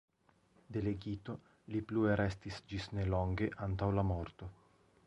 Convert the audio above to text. Delegito li plue restis ĝis nelonge antaŭ la morto.